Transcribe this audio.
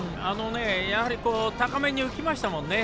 高めに浮きましたもんね。